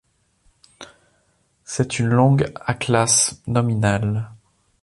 C'est une langue à classe nominale.